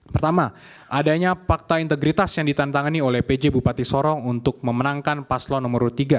pertama adanya fakta integritas yang ditantangani oleh pj bupati sorong untuk memenangkan paslon nomor tiga